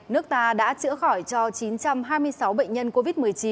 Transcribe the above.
nước ta đã chữa khỏi cho chín trăm hai mươi sáu bệnh nhân covid một mươi chín